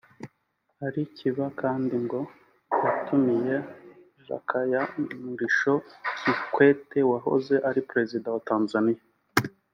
Ali Kiba kandi ngo yatumiye Jakaya Mrisho Kikwete wahoze ari Perezida wa Tanzania